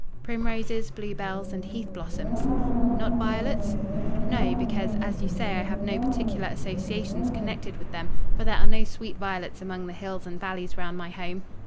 "Primroses, bluebells, and heath blossoms." "Not violets?" "No; because, as you say, I have no particular associations connected with them; for there are no sweet violets among the hills and valleys round my home."